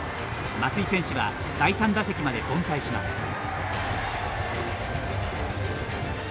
松井選手は第３打席まで凡退します。